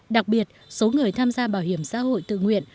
đặc biệt số người tham gia bảo hiểm xã hội tự nguyện